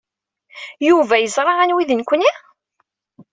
Yuba yeẓra anwi d nekkni?